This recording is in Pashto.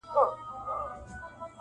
• زه به د وخت له کومي ستړي ريشا وژاړمه,